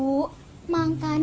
makannya jangan buang sampahnya